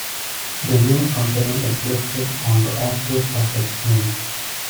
The new company is listed on the Oslo Stock Exchange.